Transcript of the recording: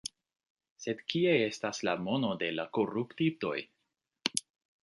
Sed kie estas la mono de la koruptitoj?